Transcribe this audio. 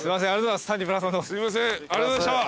ありがとうございます。